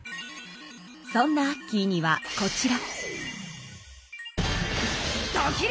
そんなアッキーにはこちら。